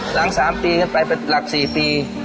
หลังสามปีกันไปเป็นหลักสี่ปี